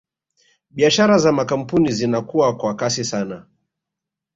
Biashara za makampuni zinakua kwa kasi sana